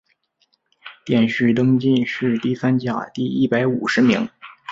殿试登进士第三甲第一百五十名。